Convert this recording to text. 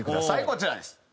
こちらです。